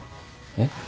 えっ？